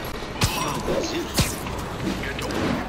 Nmeddel zik.